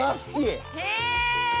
へえ！